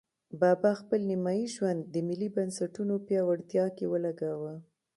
بابا خپل نیمایي ژوند د ملي بنسټونو پیاوړتیا کې ولګاوه.